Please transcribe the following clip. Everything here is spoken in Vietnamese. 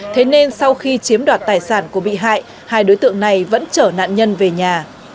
thế nên sau khi chiếm đoạt tài sản của bị hại hai đối tượng này vẫn chở nạn nhân về nhà